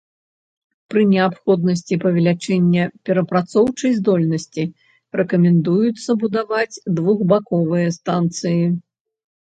Пры неабходнасці павелічэння перапрацоўчай здольнасці рэкамендуецца будаваць двухбаковыя станцыі.